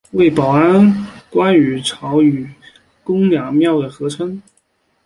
为保安宫与潮和宫两庙的合称。